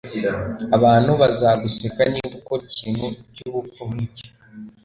Abantu bazaguseka niba ukora ikintu cyubupfu nkicyo.